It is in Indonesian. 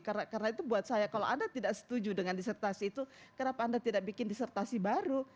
karena itu buat saya kalau anda tidak setuju dengan disertasi itu kenapa anda tidak bikin disertasi baru